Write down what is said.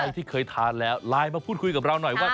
ที่เคยทานแล้วไลน์มาพูดคุยกับเราหน่อยว่า